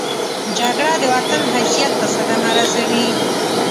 جګړه د وطن حیثیت ته صدمه رسوي